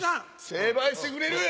成敗してくれる！